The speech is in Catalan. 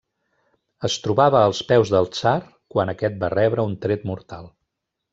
Es trobava als peus del tsar quan aquest va rebre un tret mortal.